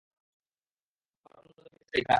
আমার অন্যজনকে চাই, স্যার।